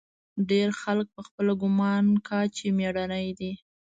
ډېر خلق پخپله ګومان کا چې مېړني دي.